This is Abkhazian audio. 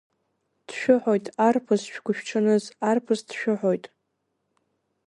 Дшәыҳәоит, арԥыс шәгәышәҽаныз, арԥыс дшәыҳәоит…